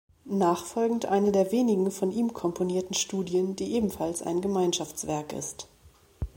Nachfolgend eine der wenigen von ihm komponierten Studien, die ebenfalls ein Gemeinschaftswerk ist.